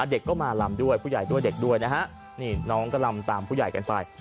เด็กก็มาลำด้วยผู้ใหญ่ด้วยเด็กด้วยนะฮะนี่น้องก็ลำตามผู้ใหญ่กันไป